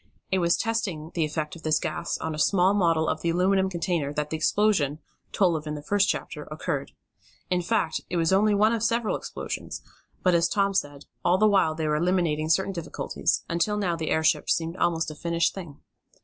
It was testing the effect of this gas on a small model of the aluminum container that the explosion, told of in the first chapter, occurred. In fact it was only one of several explosions, but, as Tom said, all the while they were eliminating certain difficulties, until now the airship seemed almost a finished thing.